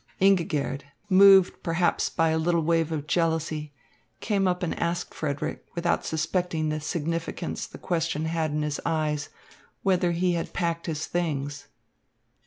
Ingigerd, moved perhaps by a little wave of jealousy, came up and asked Frederick, without suspecting the significance the question had in his eyes, whether he had packed his things.